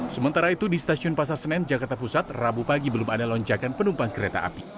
sementara itu di stasiun pasar senen jakarta pusat rabu pagi belum ada lonjakan penumpang kereta api